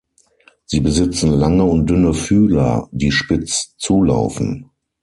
Sie besitzen lange und dünne Fühler, die spitz zulaufen.